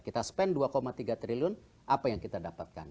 kita spend dua tiga triliun apa yang kita dapatkan